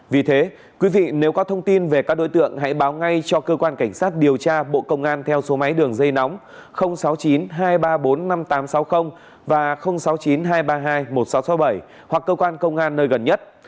vì thế quý vị nếu có thông tin về các đối tượng hãy báo ngay cho cơ quan cảnh sát điều tra bộ công an theo số máy đường dây nóng sáu mươi chín hai trăm ba mươi bốn năm nghìn tám trăm sáu mươi và sáu mươi chín hai trăm ba mươi hai một nghìn sáu trăm sáu mươi bảy hoặc cơ quan công an nơi gần nhất